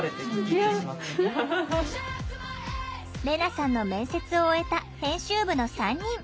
レナさんの面接を終えた編集部の３人。